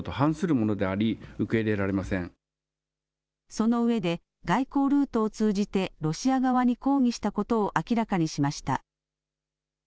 そのうえで外交ルートを通じてロシア側に抗議したことを明らかにしました。